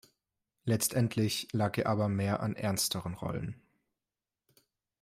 Letztendlich lag ihr aber mehr an ernsteren Rollen.